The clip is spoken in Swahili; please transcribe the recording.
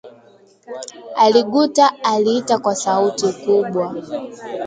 Aliguta Aliita kwa sauti kubwa